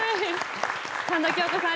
神田京子さん